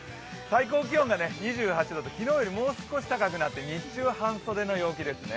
最高気温が２８度と昨日よりもう少し高くなって日中は半袖の陽気ですね。